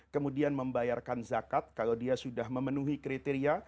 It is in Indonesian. kemudian membayarkan zakat kalau dia sudah memenuhi kriteria